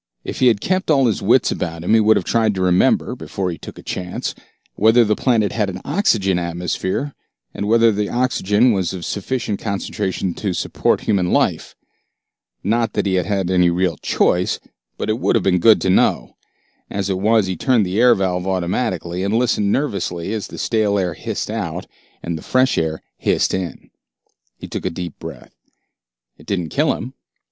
If he had kept all his wits about him he would have tried to remember, before he took a chance, whether the planet had an oxygen atmosphere, and whether the oxygen was of sufficient concentration to support human life. Not that he had any real choice, but it would have been good to know. As it was, he turned the air valve automatically, and listened nervously as the stale air hissed out and the fresh air hissed in. He took a deep breath. It didn't kill him.